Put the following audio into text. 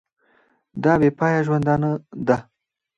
دا بې پایه ژوندانه ده.